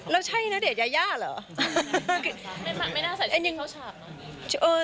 แล้วใช่ณเดชยาย่าเหรอ